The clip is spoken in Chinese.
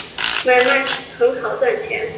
买卖很好赚钱